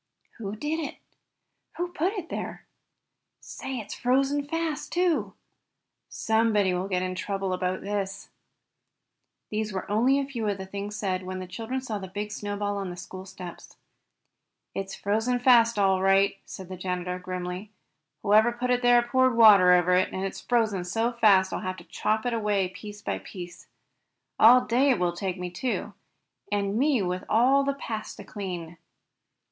"Who did it?" "Who put it there?" "Say, it's frozen fast, too!" "Somebody will get into trouble about this." These were only a few of the things said when the children saw the big snowball on the school steps. "It's frozen fast all right enough," said the janitor, grimly. "Whoever put it there poured water over it, and it's frozen so fast that I'll have to chop it away piece by piece. All day it will take me, too, and me with all the paths to clean!"